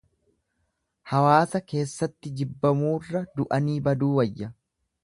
Hawaasa keessatti jibbamuurra du'anii baduu wayya.